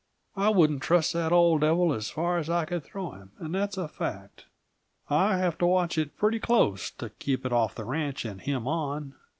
I wouldn't trust that old devil as far as I can throw him, and that's a fact. I have to watch pretty close, to keep it off the ranch, and him on.